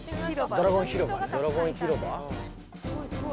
ドラゴン広場やな。